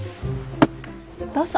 どうぞ。